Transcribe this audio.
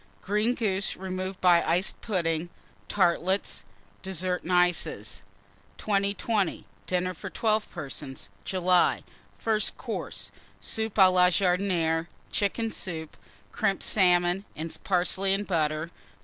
Green Goose, removed by Creams. Iced Pudding. Tartlets. DESSERT AND ICES. 2020. DINNER FOR 12 PERSONS (July). FIRST COURSE. Soup à la Jardinière. Chicken Soup. Crimped Salmon and Parsley and Butter.